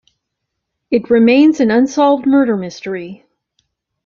It remains an unsolved murder mystery.